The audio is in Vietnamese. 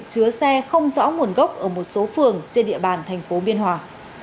chứa xe không rõ nguồn gốc ở một số phường trên địa bàn thành phố biên hòa